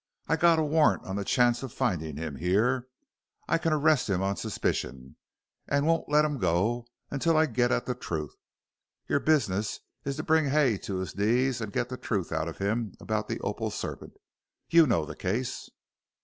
I got a warrant on the chance of finding him here. I can arrest him on suspicion, and won't let him go until I get at the truth. Your business is to bring Hay to his knees and get the truth out of him about the opal serpent. You know the case?"